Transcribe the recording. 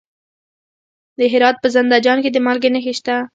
د هرات په زنده جان کې د مالګې نښې شته.